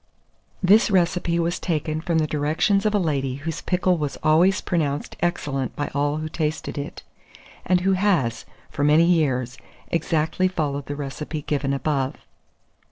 This recipe was taken from the directions of a lady whose pickle was always pronounced excellent by all who tasted it, and who has, for many years, exactly followed the recipe given above.